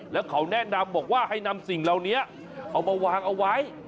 แล้วเขาแนะนำบอกว่าให้นำสิ่งเหล่านี้เอามาวางเอาไว้